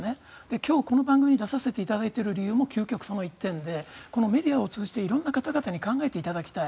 今日この番組に出させていただいている理由も究極、その１点でメディアを通じて色んな方々に考えていただきたい。